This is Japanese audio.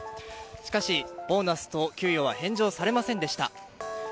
しかし、ボーナスと給与は返上されませんでした。